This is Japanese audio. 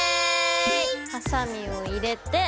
ハサミを入れて。